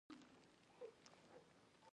وحشي پیشو په ځنګل کې ګرځي.